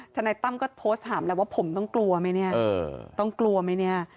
นายตั้มก็โพสต์ถามแล้วว่าผมต้องกลัวไหมเนี่ยต้องกลัวไหมเนี่ย